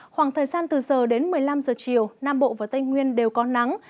khoảng thời gian từ giờ đến một mươi năm giờ chiều nam bộ và tây nguyên đều có nắng